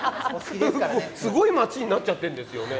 すごい街になっちゃってんですよね。